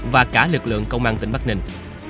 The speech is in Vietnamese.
và cả lực lượng công an tỉnh bắc ninh